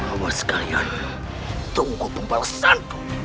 awas kalian tunggu pembalasan